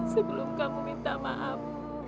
sebelum kamu minta maaf